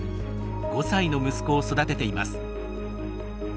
５歳の息子を育てています。